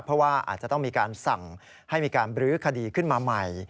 เพราะว่าอาจจะต้องมีการสั่งให้มีการบรื้อคดีขึ้นมาใหม่